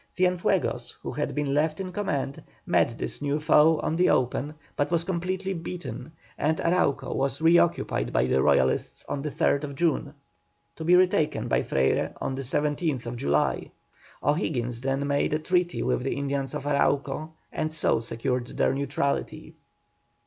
Cienfuegos, who had been left in command, met this new foe on the open, but was completely beaten, and Arauco was reoccupied by the Royalists on the 3rd June, to be retaken by Freyre on the 17th July. O'Higgins then made a treaty with the Indians of Arauco, and so secured their neutrality.